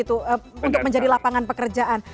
untuk menjadi lapangan pekerjaan